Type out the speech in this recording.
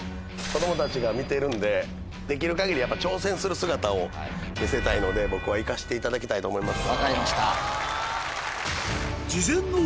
子供たちが見てるんでできる限り挑戦する姿を見せたいので僕は行かせていただきたいと思います。